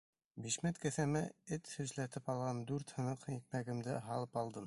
Бишмәт кеҫәмә «эт һөсләтеп» алған дүрт һыныҡ икмәгемде һалып алдым.